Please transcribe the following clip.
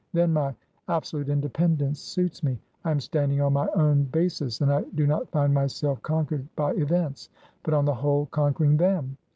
Then my abso lute independence suits me. I am standing on my own basis, and I do not find myself conquered by events, but, on the whole, conquering them.